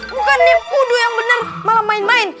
bukan nek kudu yang bener malah main main